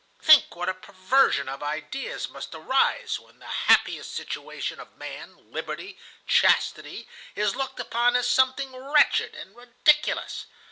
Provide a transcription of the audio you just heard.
Think what a perversion of ideas must arise when the happiest situation of man, liberty, chastity, is looked upon as something wretched and ridiculous.